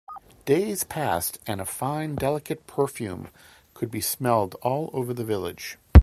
Days passed and a fine delicate perfume could be smelled all over the village.